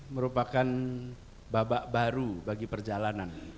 merupakan babak baru bagi perjalanan